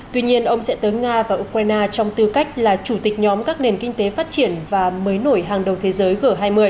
tuy nhiên ông sẽ tới nga và ukraine trong tư cách là chủ tịch nhóm các nền kinh tế phát triển và mới nổi hàng đầu thế giới g hai mươi